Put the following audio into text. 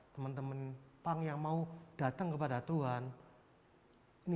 teman teman punk yang mau datang kepada tuhan